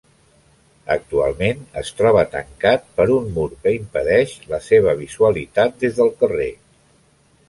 Actualment es troba tancat per un mur que impedeix la seva visualitat des del carrer.